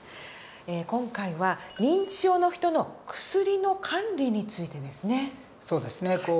今回は認知症の人の「薬の管理」についてですね。そうですね。